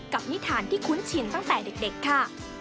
นิทานที่คุ้นชินตั้งแต่เด็กค่ะ